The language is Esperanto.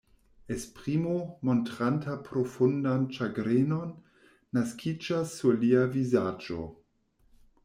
Esprimo, montranta profundan ĉagrenon, naskiĝas sur lia vizaĝo.